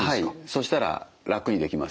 そしたら楽にできますよね。